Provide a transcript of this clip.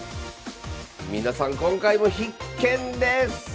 皆さん今回も必見です！